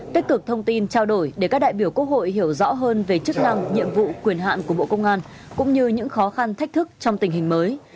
tích cực thông tin trao đổi để các đại biểu quốc hội hiểu rõ hơn về chức năng nhiệm vụ quyền hạn của bộ công an cũng như những khó khăn thách thức trong tình hình mới